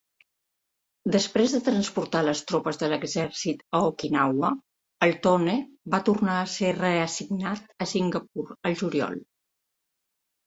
Després de transportar les tropes de l'exèrcit a Okinawa, el "Tone" va tornar a ser reassignat a Singapur al juliol.